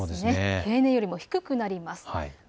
平年より低くなります。